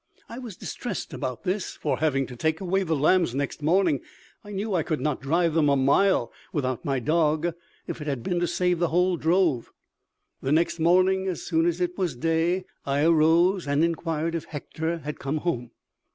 I was distressed about this; for, having to take away the lambs next morning, I knew I could not drive them a mile without my dog if it had been to save the whole drove. "The next morning, as soon as it was day, I arose and inquired if Hector had come home?